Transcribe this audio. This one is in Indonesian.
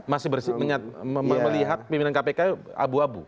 masih melihat pimpinan kpk abu abu